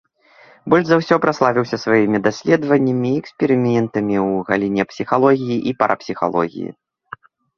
Больш за ўсё праславіўся сваімі даследаваннямі і эксперыментамі ў галіне псіхалогіі і парапсіхалогіі.